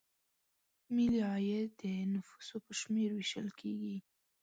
ملي عاید د نفوسو په شمېر ویشل کیږي.